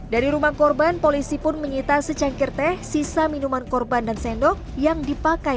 dari rumah korban polisi pun menyita secangkir teh sisa minuman korban dan sendok yang dipakai